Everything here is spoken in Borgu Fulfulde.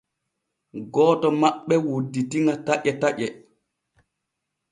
Gooto maɓɓe wudditi ŋa taƴe taƴe.